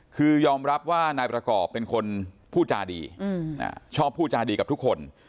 คือยอมรับว่านายประกอบเป็นคนพูดจาดีชอบพูดจาดีกับทุกคน